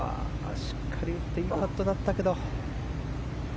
しっかり打っていいパットだったけど。